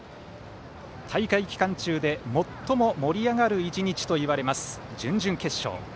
大会期間中で最も盛り上がる１日といわれます準々決勝。